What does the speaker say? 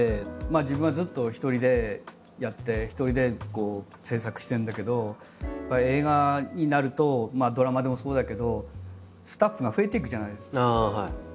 自分はずっと一人でやって一人で制作してるんだけどやっぱり映画になるとドラマでもそうだけどスタッフが増えていくじゃないですか。